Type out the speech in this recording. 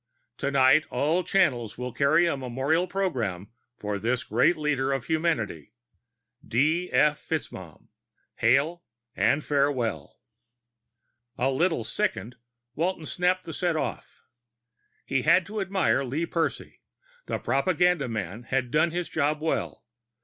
Tonight all channels will carry a memorial program for this great leader of humanity. D. F. FitzMaugham, hail and farewell!" A little sickened, Walton snapped the set off. He had to admire Lee Percy; the propaganda man had done his job well.